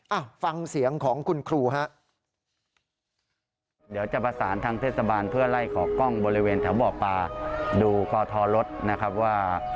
เอ้าฟังเสียงของคุณครูค่ะ